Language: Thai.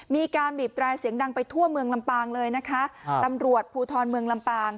มีการบีบแตรเสียงดังไปทั่วเมืองลำปางเลยนะคะครับตำรวจภูทรเมืองลำปาง